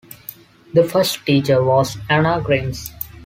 The first teacher was Anna Grimes.